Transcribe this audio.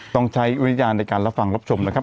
ต้องใช้วิญญาณในการรับฟังรับชมนะครับ